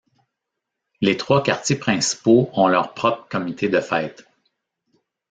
Les trois quartiers principaux ont leur propre comité de fêtes.